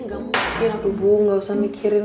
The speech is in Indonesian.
enggak mungkin aku bu enggak usah mikirin